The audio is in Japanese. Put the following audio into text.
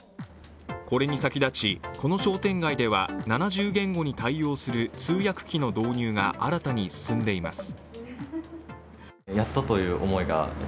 これに先立ち、この商店街では７０言語に対応する通訳機の導入が新たに進んでいます。